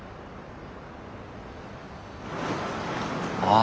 あ